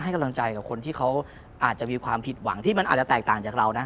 กำลังใจกับคนที่เขาอาจจะมีความผิดหวังที่มันอาจจะแตกต่างจากเรานะ